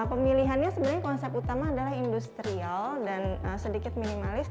pemilihannya sebenarnya konsep utama adalah industrial dan sedikit minimalis